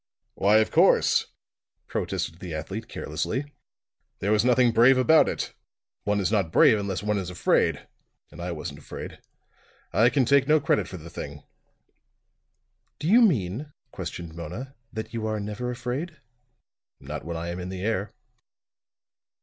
"Why, of course," protested the athlete carelessly. "There was nothing brave about it. One is not brave unless one is afraid; and I wasn't afraid. I can take no credit for the thing." "Do you mean," questioned Mona, "that you are never afraid?" "Not when I am in the air."